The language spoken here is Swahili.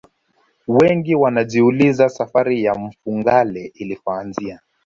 wengi wanajiuliza safari ya mfugale ilipoanzia